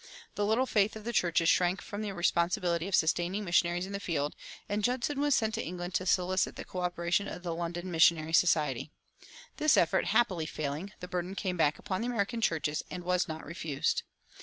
The little faith of the churches shrank from the responsibility of sustaining missionaries in the field, and Judson was sent to England to solicit the coöperation of the London Missionary Society. This effort happily failing, the burden came back upon the American churches and was not refused.